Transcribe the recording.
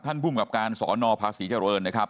ท่านผู้มีกรรมการสนภาษีเจริญนะครับ